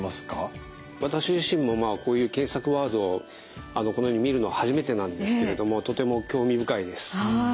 私自身もこういう検索ワードをこのように見るの初めてなんですけれどもとても興味深いです。